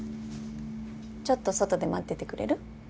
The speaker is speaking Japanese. ちょっと外で待っててくれる？